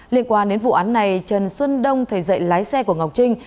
liên quan đến vụ án này trần xuân đông thầy dạy lái xe của ngọc trinh